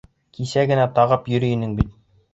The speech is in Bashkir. Кисә генә тағып йөрөй инең бит.